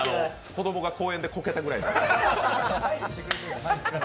子供が公園でコケたくらい。